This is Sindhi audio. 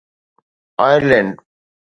آئرلينڊ